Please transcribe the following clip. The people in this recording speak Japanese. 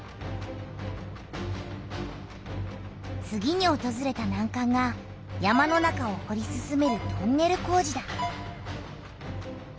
次におとずれたなんかんが山の中をほり進めるトンネル工事だ。